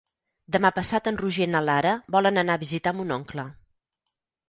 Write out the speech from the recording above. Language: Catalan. Demà passat en Roger i na Lara volen anar a visitar mon oncle.